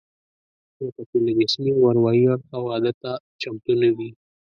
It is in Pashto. ځکه چې له جسمي او اروايي اړخه واده ته چمتو نه وي